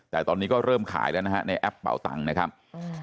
แต่ตอนนี้ก็เริ่มขายแล้วนะฮะในแอปเป่าตังค์นะครับ